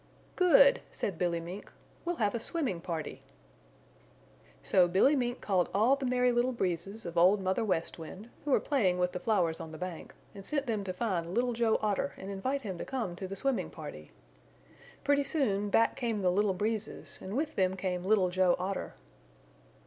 "Good," said Billy Mink. "We'll have a swimming party." So Billy Mink called all the Merry Little Breezes of Old Mother West Wind, who were playing with the flowers on the bank, and sent them to find Little Joe Otter and invite him to come to the swimming party. Pretty soon back came the Little Breezes and with them came Little Joe Otter.